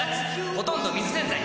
ほとんど水洗剤